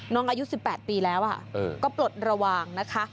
น้องอายุ๑๘ปีแล้วก็ปลดระวังนะคะ